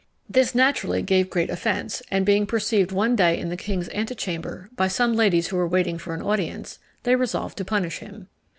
This naturally gave great offence; and being perceived one day in the king's antechamber, by some ladies who were waiting for an audience, they resolved to punish him.